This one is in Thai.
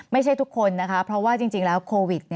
ทุกคนนะคะเพราะว่าจริงแล้วโควิด